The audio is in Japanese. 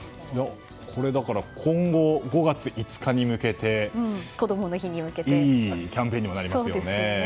今後、５月５日に向けていいキャンペーンにもなりますよね。